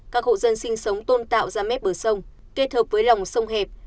các hộ dân sinh sống tôn tạo ra mép bờ sông kết hợp với lòng sông hẹp